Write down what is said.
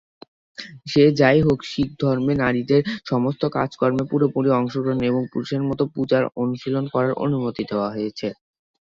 সে যাই হোক শিখ ধর্মে নারীদের সমস্ত কাজকর্মে পুরোপুরি অংশগ্রহণ এবং পুরুষের মতো পূজার অনুশীলন করার অনুমতি দেওয়া হয়েছে।